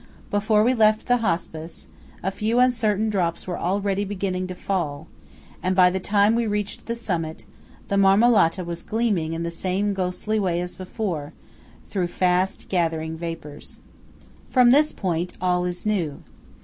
Before we left the Hospice, a few uncertain drops were already beginning to fall, and by the time we reached the summit, the Marmolata was gleaming in the same ghostly way as before, through fast gathering vapours. From this point, all is new.